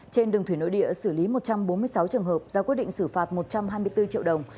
trên đường thủy nội địa xử lý một trăm bốn mươi sáu trường hợp ra quyết định xử phạt một trăm hai mươi bốn triệu đồng